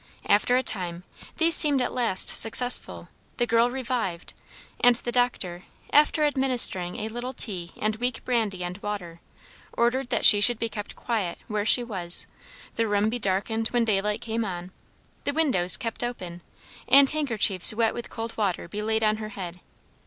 After a time, these seemed at last successful; the girl revived; and the doctor, after administering a little tea and weak brandy and water, ordered that she should be kept quiet where she was, the room be darkened when daylight came on, the windows kept open, and handkerchiefs wet with cold water be laid on her head.